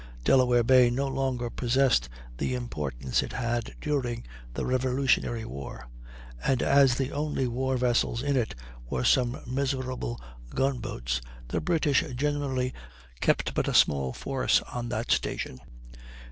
Delaware Bay no longer possessed the importance it had during the Revolutionary War, and as the only war vessels in it were some miserable gun boats, the British generally kept but a small force on that station.